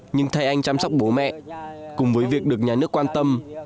nhưng thay anh chăm sóc bố mẹ cùng với việc được nhà nước quan tâm